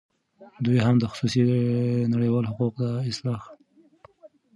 دوهم د خصوصی نړیوال حقوق دا اصطلاح